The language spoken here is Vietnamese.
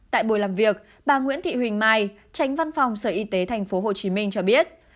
tại buổi làm việc bà nguyễn thị huỳnh mai tránh văn phòng sở y tế tp hcm cho biết